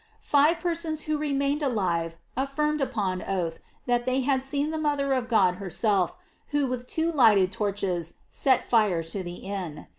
Five persons who remained alive affirmed upon oath, that they had seen the mother of God her self, who with two lighted torches set fire to the inn.